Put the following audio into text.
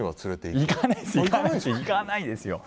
いかないですよ！